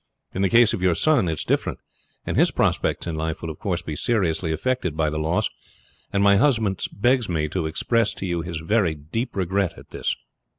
In the case of your son it is different, and his prospects in life will of course be seriously affected by the loss, and my husband begs me to express to you his very deep regret at this.